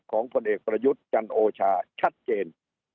ผลเอกประยุทธ์จันโอชาชัดเจน